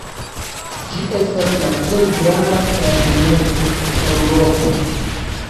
Ĝi estas la plej granda en Mez-Eŭropo.